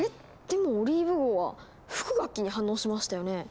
でもオリーブ号は吹く楽器に反応しましたよね。